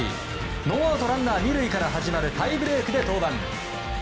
ノーアウトランナー、２塁から始まるタイブレークで登板。